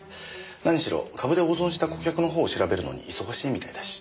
何しろ株で大損した顧客の方を調べるのに忙しいみたいだし。